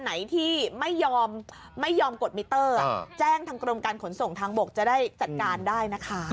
ไหนที่ไม่ยอมไม่ยอมกดมิเตอร์แจ้งทางกรมการขนส่งทางบกจะได้จัดการได้นะคะ